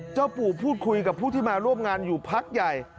ปู่พูดคุยกับผู้ที่มาร่วมงานอยู่พักใหญ่